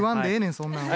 そんなんは。